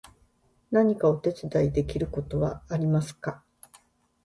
何かお手伝いできることはありますか？